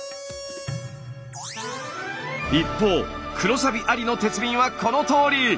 一方黒サビありの鉄瓶はこのとおり！